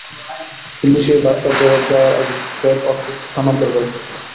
কিন্তু সেই বার্তার জবাব যাওয়ার আগে ফেড অর্থ স্থানান্তর করে ফেলে।